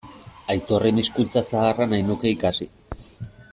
Aitorren hizkuntza zaharra nahi nuke ikasi.